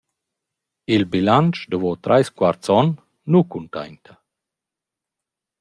Il bilantsch davo trais quarts on nu cuntainta.